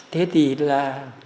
thế thì là